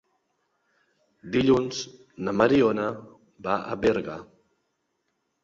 Dilluns na Mariona va a Berga.